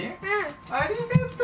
ありがとう。